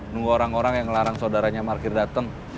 nunggu orang orang yang ngelarang saudaranya markir datang